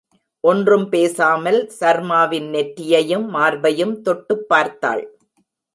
ஒன்றும் பேசாமல், சர்மாவின் நெற்றியையும், மார்பையும் தொட்டுப் பார்த்தாள்.